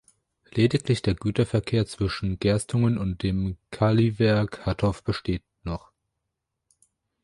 Lediglich der Güterverkehr zwischen Gerstungen und dem Kaliwerk Hattorf besteht noch.